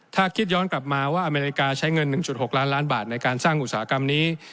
ถ้าคิดย้อนกลับมาว่าอเมริกาใช้เงิน๑๖ล้านล้านบาทในการสร้างอุตสาหกรรมนี้